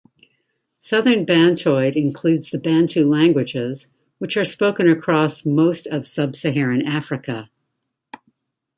Southern Bantoid includes the Bantu languages, which are spoken across most of Sub-Saharan Africa.